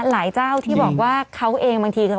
หลายเจ้าที่บอกว่าเขาเองบางที